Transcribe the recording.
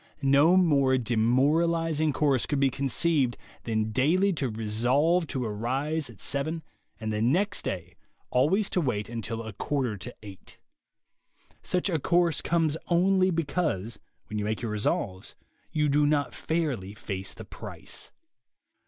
No more demoralizing course could be conceived than daily to resolve to arise at seven and the next day always to wait until a quarter to eight. Such a course comes only be cause, when you make your resolves, you do not fairly face the price.